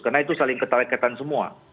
karena itu saling keterekatan semua